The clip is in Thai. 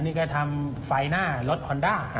นี่ก็ทำไฟหน้ารถคอนด้า